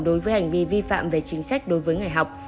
đối với hành vi vi phạm về chính sách đối với người học